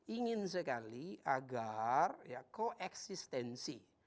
ingin sekali agar koeksistensi